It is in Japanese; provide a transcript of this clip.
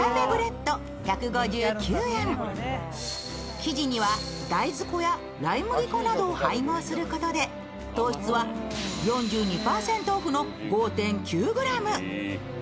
生地には大豆粉やライ麦粉などを配合することで糖質は４２％オフの５．９ｇ。